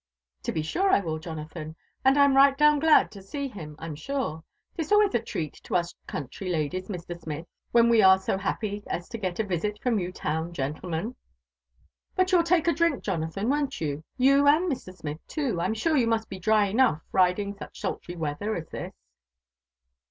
" To be sure I will, Jonathan ; and I'm right down glad to see him, I'm sure. 'Tis always a treat to us country ladies, Mr. Smith, when we are so happy as to get a visit from you town gentlemen. But you'll JONATHAN JEFFERSON WHITLAW. iWa lake a driok, Jonathan^ won't you, you and Mn Smith too? I'm sure you must be dry enough riding such sultry weather as this."